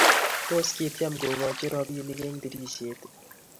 Tos, kityem kogochi robinik eng tirishet?